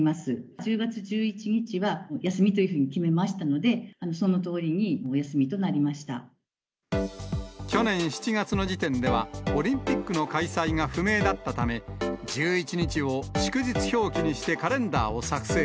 １０月１１日は休みというふうに決めましたので、去年７月の時点では、オリンピックの開催が不明だったため、１１日を祝日表記にしてカレンダーを作成。